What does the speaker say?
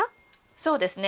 そうですね。